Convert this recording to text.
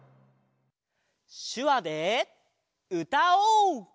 しゅわでうたおう！